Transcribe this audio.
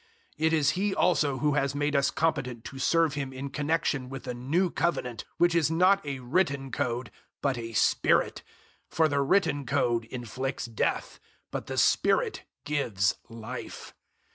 003:006 It is He also who has made us competent to serve Him in connexion with a new Covenant, which is not a written code but a Spirit; for the written code inflicts death, but the Spirit gives Life.